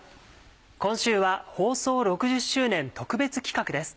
今週は放送６０周年特別企画です。